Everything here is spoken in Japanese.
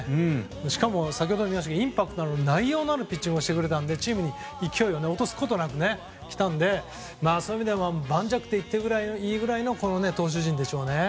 しかも先ほども言いましたがインパクトのある、内容のあるピッチングをしてくれたのでチームが勢いを落とすことなくきたので、そういう意味でも盤石といっていいぐらいの投手陣でしょうね。